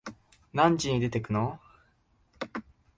何時に出てくの？